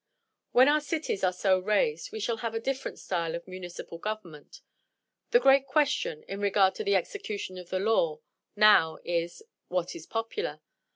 When our cities are so raised, we shall have a different style of municipal government. The great question, in regard to the execution of the law, now is: "What is popular?"